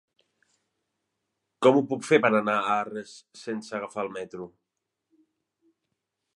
Com ho puc fer per anar a Arres sense agafar el metro?